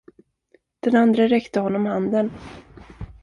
Den andre räckte honom handen.